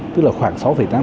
tức là khoảng sáu tám